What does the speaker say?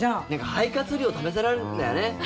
肺活量試されるんだよね。